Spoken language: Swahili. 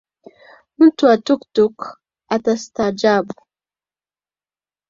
Mtu wa Tuktuk atastaajabu.